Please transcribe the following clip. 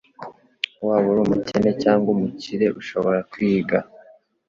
waba uri umukene cyangwa umukire ushobora kwiga